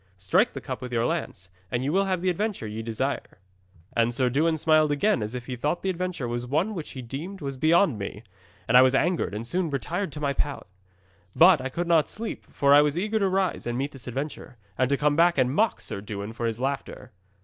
Strike the cup with your lance, and you will have the adventure ye desire." 'And Sir Dewin smiled again as if he thought the adventure was one which he deemed was beyond me, and I was angered and soon retired to my pallet. But I could not sleep, for I was eager to rise and meet this adventure, and to come back and mock Sir Dewin for his laughter.